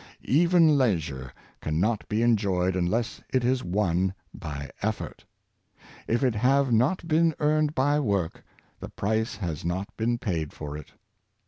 Even leisure 150 Industiy and Leisure, can not be enjoyed unless it is won by effort. If it have not been earned by work, the price has not been paid for it.